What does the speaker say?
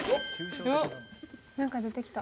なんか出てきた。